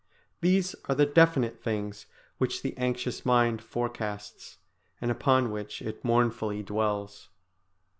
These are the definite things which the anxious mind forecasts, and upon which it mournfully dwells.